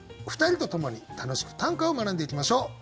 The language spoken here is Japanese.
２人と共に楽しく短歌を学んでいきましょう。